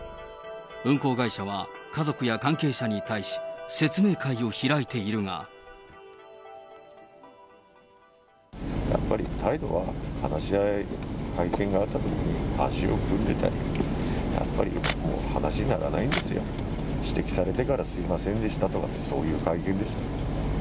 運航会社は家族や関係者に対し、やっぱり態度は、話し合い、会見があったときに、足を組んでたり、やっぱりもう話にならないんですよ、指摘されてから、すみませんでしたとかって、そういう会見でしたね。